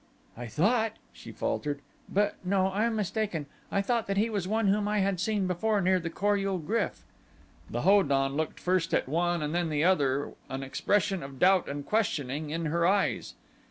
"I thought " she faltered, "but no, I am mistaken I thought that he was one whom I had seen before near the Kor ul GRYF." The Ho don looked first at one and then at the other an expression of doubt and questioning in her eyes.